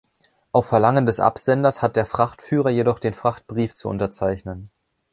Auf Verlangen des Absenders hat der Frachtführer jedoch den Frachtbrief zu unterzeichnen.